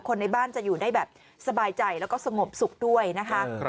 ในบ้านจะอยู่ได้แบบสบายใจแล้วก็สงบสุขด้วยนะคะ